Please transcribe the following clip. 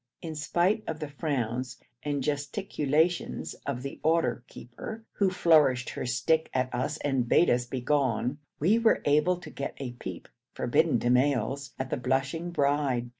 In spite of the frowns and gesticulations of the order keeper, who flourished her stick at us and bade us begone, we were able to get a peep, forbidden to males, at the blushing bride.